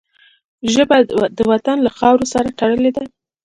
ژبه د وطن له خاورو سره تړلې ده